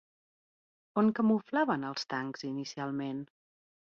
On camuflaven els tancs inicialment?